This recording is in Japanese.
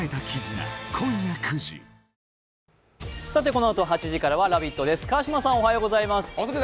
このあと８時からは「ラヴィット！」です。